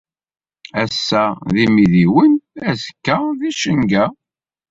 Ass-a d imidiwen, azekka d icenga.